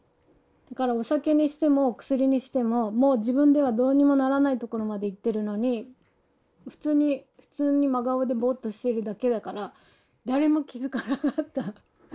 だからお酒にしても薬にしてももう自分ではどうにもならないところまでいってるのに普通に普通に真顔でぼっとしてるだけだから誰も気付かなかった。